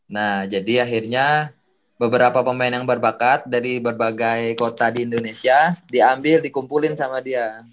nah jadi akhirnya beberapa pemain yang berbakat dari berbagai kota di indonesia diambil dikumpulin sama dia